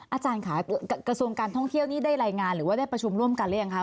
อาจารย์ค่ะกระทรวงการท่องเที่ยวนี่ได้รายงานหรือว่าได้ประชุมร่วมกันหรือยังคะ